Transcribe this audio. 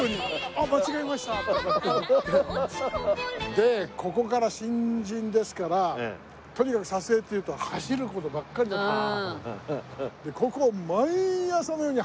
でここから新人ですからとにかく撮影っていうと走る事ばっかりだったの。